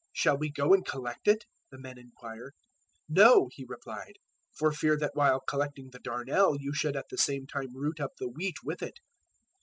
"`Shall we go, and collect it?' the men inquire. 013:029 "`No,' he replied, `for fear that while collecting the darnel you should at the same time root up the wheat with it.